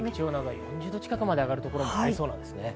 ４０度近くまで上がる所もありそうです。